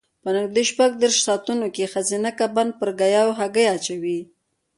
په نږدې شپږ دېرش ساعتو کې ښځینه کبان پر ګیاوو هګۍ اچوي.